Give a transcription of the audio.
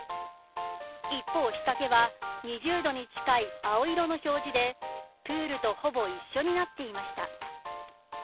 一方、日陰は２０度に近い青色の表示でプールとほぼ一緒になっていました。